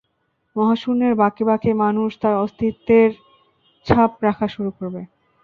মহাশূন্যের বাঁকে বাঁকে মানুষ তার অস্তিত্বের ছাপ রাখা শুরু করবে!